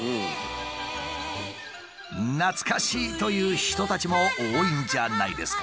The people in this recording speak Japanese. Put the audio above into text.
懐かしい！という人たちも多いんじゃないですか？